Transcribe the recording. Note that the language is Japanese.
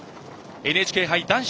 ＮＨＫ杯、男子